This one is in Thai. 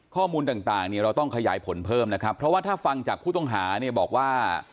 ข้อมูลต่างเนี่ยเราต้องขยายผลเพิ่มนะครับเพราะว่าถ้าฟังจากผู้ต้องหาเนี่ยบอกว่า